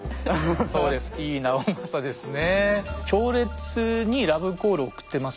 そうです井伊直政ですね。